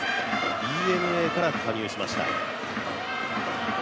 ＤｅＮＡから加入しました。